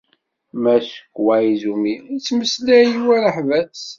Mass Koizumi yettmeslay war aḥbas.